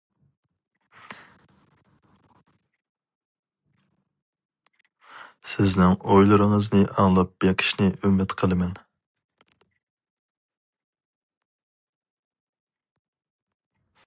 سىزنىڭ ئويلىرىڭىزنى ئاڭلاپ بېقىشنى ئۈمىد قىلىمەن.